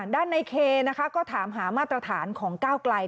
ด้านในเคนะคะก็ถามหามาตรฐานของก้าวไกล